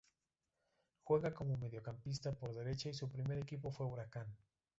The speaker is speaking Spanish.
Juega como mediocampista por derecha y su primer equipo fue Huracán.